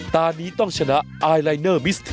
ตอนนี้ต้องชนะไอลายเนอร์มิส